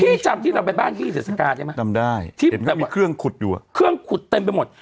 ที่จำที่เราไปบ้านที่สักครั้งจำได้มีเครื่องขุดอยู่เครื่องขุดเต็มไปหมด